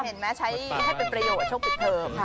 เห็นไหมใช้ให้เป็นประโยชน์ช่วงปิดเทิมค่ะ